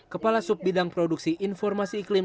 kepala subbidang produksi informasi iklim